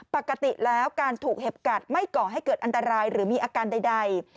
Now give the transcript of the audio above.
ปกติแล้วการถูกเห็บกัดไม่ก่อให้เกิดอันตรายหรือมีอาการใด